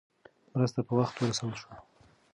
مرسته په وخت ورسول شوه.